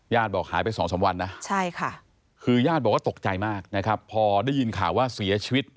บอกหายไป๒๓วันนะคือญาติบอกว่าตกใจมากนะครับพอได้ยินข่าวว่าเสียชีวิต